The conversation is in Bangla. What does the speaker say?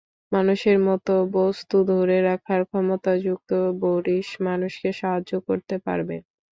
মানুষের মতো বস্তু ধরে রাখার ক্ষমতাযুক্ত বরিস মানুষকে সাহায্য করতে পারবে।